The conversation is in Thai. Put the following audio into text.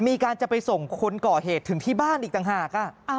มีการจะไปส่งคนก่อเหตุถึงที่บ้านอีกต่างหาก